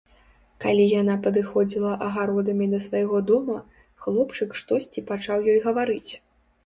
Калі яна падыходзіла агародамі да свайго дома, хлопчык штосьці пачаў ёй гаварыць.